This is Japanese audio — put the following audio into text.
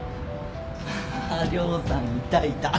あー涼さんいたいた。